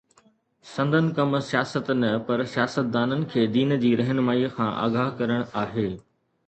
سندن ڪم سياست نه پر سياستدانن کي دين جي رهنمائيءَ کان آگاهه ڪرڻ آهي